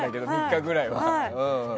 ３日ぐらい。